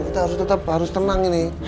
kita harus tetap harus tenang ini